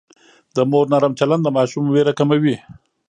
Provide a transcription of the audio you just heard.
د مور نرم چلند د ماشوم وېره کموي.